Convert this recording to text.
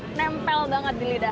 menempel banget di lidah